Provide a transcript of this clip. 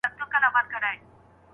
هرکس چي دوې لوڼي وروزي، هغه جنتي دی.